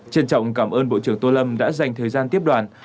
trân trọng cảm ơn bộ trưởng tô lâm đã dành thời gian tiếp đoàn